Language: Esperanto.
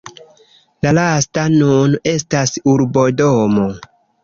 La lasta nun estas urbodomo.